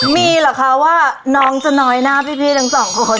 มีเหรอคะว่าน้องจะน้อยหน้าพี่ทั้งสองคน